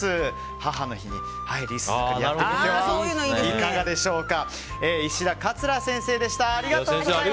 母の日にミモザリース作りをやってみてはいかがでしょうか。